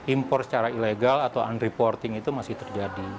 impor secara ilegal atau unreporting itu masih terjadi